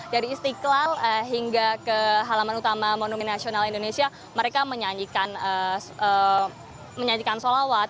dari istiqlal hingga ke halaman utama monumen nasional indonesia mereka menyajikan solawat